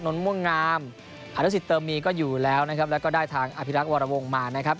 ม่วงงามอนุสิตเติมมีก็อยู่แล้วนะครับแล้วก็ได้ทางอภิรักษ์วรวงมานะครับ